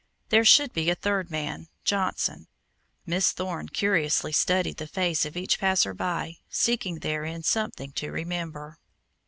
There should be a third man, Johnson. Miss Thorne curiously studied the face of each passer by, seeking therein something to remember.